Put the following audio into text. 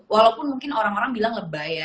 walaupun mungkin orang orang bilang lebah ya